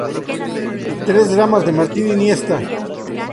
Tres dramas de Martín Iniesta.